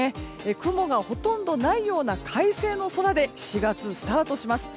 雲がほとんどないような快晴の空で４月スタートします。